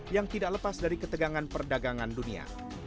yang tidak lepas dari ketegangan perdagangan dunia